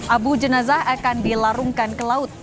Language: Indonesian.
abu jenazah akan dilarungkan ke laut